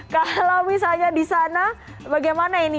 kalau misalnya di sana bagaimana ini